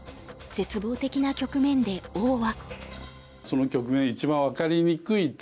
絶望的な局面で王は。